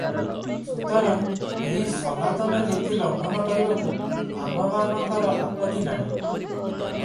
ସୁତରାଂ, ଏହି ସନାତନ ରୀତି ଲଙ୍ଘନ କରିବାକୁ ଆମ୍ଭମାନଙ୍କର ଆପତ୍ତି ନାହିଁ ।